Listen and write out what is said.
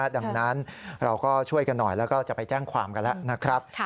ดังนั้นเราก็ช่วยกันหน่อยแล้วก็จะไปแจ้งความกันแล้วนะครับ